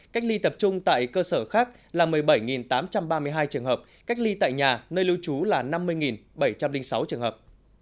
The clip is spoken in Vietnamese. cách ly tập trung tại cơ sở khác là một mươi bảy tám trăm ba mươi hai trường hợp cách ly tại nhà nơi lưu trú là năm mươi bảy trăm linh sáu trường hợp